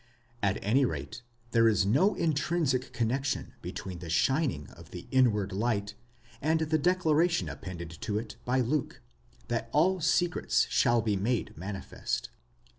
At any rate there is no intrinsic connexion between the shining of the inward light, and the declaration appended to it by Luke, that all secrets shall be made manifest.